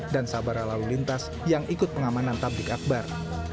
sabara lalu lintas yang ikut pengamanan tablik akbar